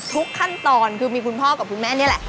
ทุกขั้นตอนคือมีคุณพ่อกับคุณแม่นี่แหละ